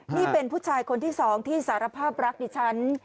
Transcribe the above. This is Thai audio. นี่เป็นผู้ชายคนที่สองที่สารภาพรักดิฉัน